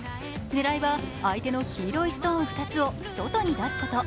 狙いは相手の黄色いストーン２つを外に出すこと。